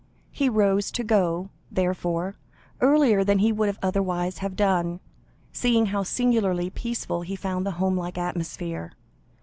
He rose to go, therefore, earlier than he would otherwise have done, seeing how singularly peaceful he found the home like atmosphere.